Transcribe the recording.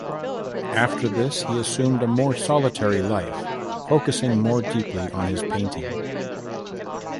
After this, he assumed a more solitary life, focusing more deeply on his painting.